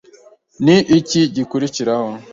Ni iki gikurikiraho?